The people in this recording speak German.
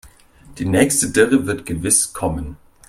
Die nächste Dürre wird gewiss kommen.